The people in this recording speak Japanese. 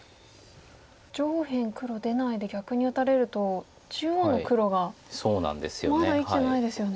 上辺黒出ないで逆に打たれると中央の黒がまだ生きてないですよね。